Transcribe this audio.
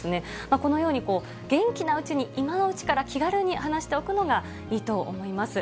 このように元気なうちに、今のうちから気軽に話しておくのがいいと思います。